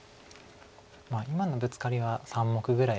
今のブツカリは３目ぐらい。